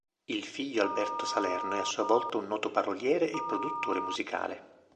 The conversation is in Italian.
Il figlio Alberto Salerno è a sua volta un noto paroliere e produttore musicale.